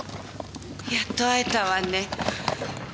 やっと会えたわね。